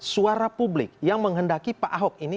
suara publik yang menghendaki pak ahok ini